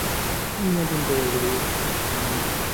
তিনি নতুন করে এগুলোকে উষ্কে দিতে চান নি।